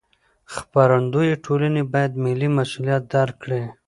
خپرندویه ټولنې باید ملي مسوولیت درک کړي.